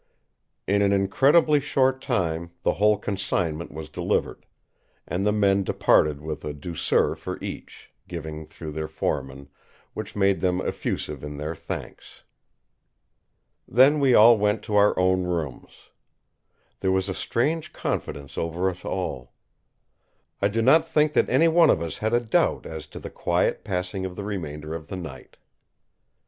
In an incredibly short time the whole consignment was delivered; and the men departed with a douceur for each, given through their foreman, which made them effusive in their thanks. Then we all went to our own rooms. There was a strange confidence over us all. I do not think that any one of us had a doubt as to the quiet passing of the remainder of the night.